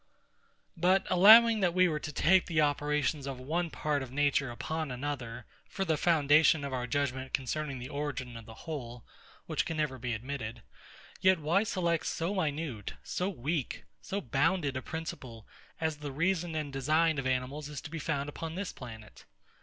But, allowing that we were to take the operations of one part of nature upon another, for the foundation of our judgement concerning the origin of the whole, (which never can be admitted,) yet why select so minute, so weak, so bounded a principle, as the reason and design of animals is found to be upon this planet?